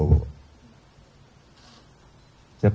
siapa lagi oke yang ketiga anda